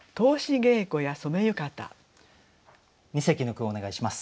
二席の句をお願いします。